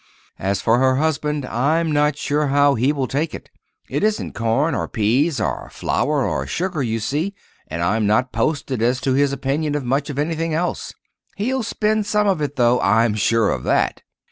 As for her husband—I'm not sure how he will take it. It isn't corn or peas or flour or sugar, you see, and I'm not posted as to his opinion of much of anything else. He'll spend some of it, though,—I'm sure of that.